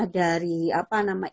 dari apa namanya